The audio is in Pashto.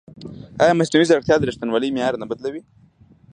ایا مصنوعي ځیرکتیا د ریښتینولۍ معیار نه بدلوي؟